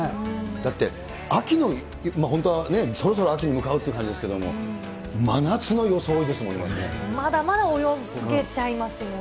だって、秋の、本当はそろそろ秋に向かうって感じですけれども、真夏の装まだまだ泳げちゃいますもん